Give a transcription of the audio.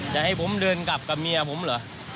จะให้ผมเดินกลับกับเมียผมเหรอ